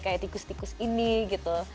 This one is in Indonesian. kayak tikus tikus ini gitu